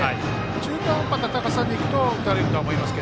中途半端な高さにいくと打たれると思います。